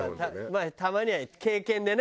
まあたまには経験でね。